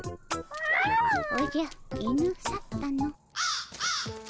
おじゃ犬去ったの。